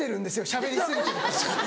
しゃべり過ぎて。